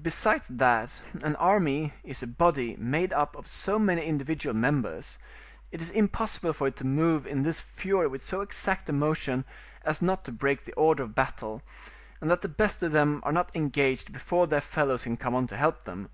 Besides that an army is a body made up of so many individual members, it is impossible for it to move in this fury with so exact a motion as not to break the order of battle, and that the best of them are not engaged before their fellows can come on to help them.